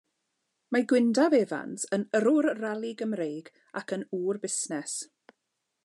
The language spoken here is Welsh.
Mae Gwyndaf Evans yn yrrwr rali Gymreig ac yn ŵr busnes.